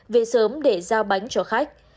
vê sớm để giao bánh cho khách